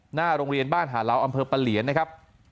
หน้าโรงเรียนบ้านหาเหลาอำเภอปะเหลียนนะครับ